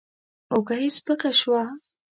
اوږه يې سپکه شوه.